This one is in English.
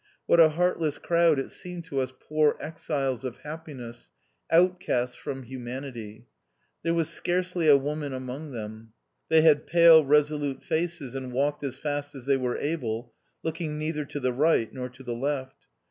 What a heartless crowd it seemed to us poor exiles of happiness, outcasts from humanity. There was scarcely a woman among them. They had pale resolute faces, and walked as fast as they were able, looking neither to the right nor to the left.